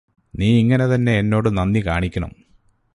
നീ ഇങ്ങനെ തന്നെ എന്നോട് നന്ദി കാണിക്കണം